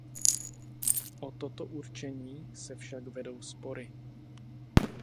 O toto určení se však vedou spory.